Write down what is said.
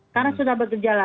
karena sudah bergejala